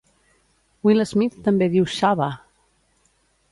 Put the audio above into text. Will Smith també diu Shabba!